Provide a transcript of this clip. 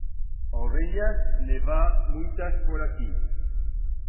Ovellas, ne b'ha muitas por aquí.